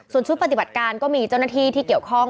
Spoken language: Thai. ส่วนชุดปฏิบัติการก็มีเจ้าหน้าที่ที่เกี่ยวข้อง